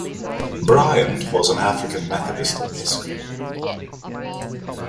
Bryant was an African Methodist Episcopal.